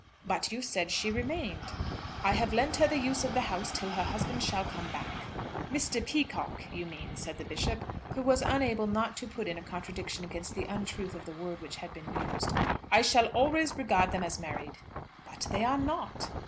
"But you said she remained." "I have lent her the use of the house till her husband shall come back." "Mr. Peacocke, you mean," said the Bishop, who was unable not to put in a contradiction against the untruth of the word which had been used. "I shall always regard them as married." "But they are not."